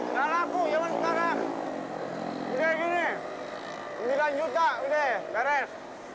ya aku ya mas sekarang sepuluh ribu buat apaan